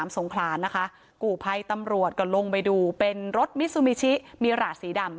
สงขลานะคะกู่ภัยตำรวจก็ลงไปดูเป็นรถมิซูบิชิมีหลาดสีดำ